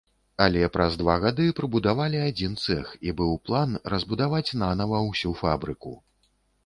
Але праз два гады прыбудавалі адзін цэх, і быў план разбудаваць нанава ўсю фабрыку.